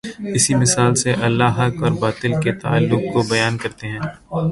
اسی مثال سے اللہ حق اور باطل کے تعلق کو بیان کرتا ہے۔